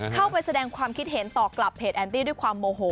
เข้าไปแสดงความคิดเห็นต่อกลับเพจแอนตี้ด้วยความโมโห